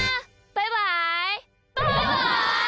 バイバイ！